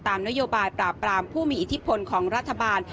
นโยบายปราบปรามผู้มีอิทธิพลของรัฐบาล